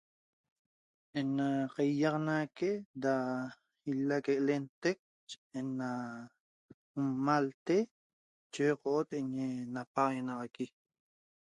Ena caihiaxanaque da ihelaque ca lenteq ena l'malate checoo't eñe napaxaguenaxaqui